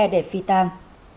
để phi tăng